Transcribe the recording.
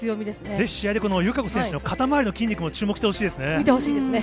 ぜひ、試合でこの友香子選手の肩回りの筋肉も注目してほしいですね。